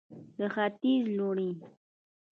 د ختیځ لوڼې